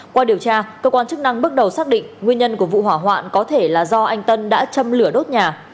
qua điều tra cơ quan chức năng bước đầu xác định nguyên nhân của vụ hỏa hoạn có thể là do anh tân đã châm lửa đốt nhà